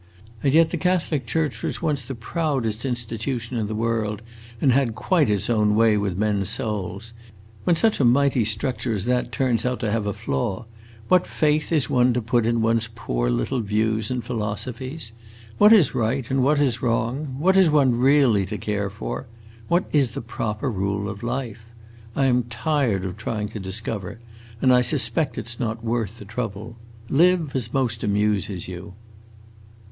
And yet the Catholic church was once the proudest institution in the world, and had quite its own way with men's souls. When such a mighty structure as that turns out to have a flaw, what faith is one to put in one's poor little views and philosophies? What is right and what is wrong? What is one really to care for? What is the proper rule of life? I am tired of trying to discover, and I suspect it 's not worth the trouble. Live as most amuses you!"